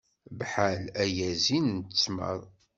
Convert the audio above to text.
Bḥal ayazi n ttmer.